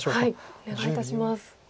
お願いいたします。